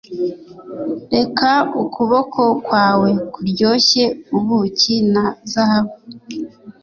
Reka ukuboko kwawe kuryoshye ubuki na zahabu